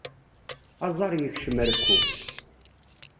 Aẓar yekcem rekku.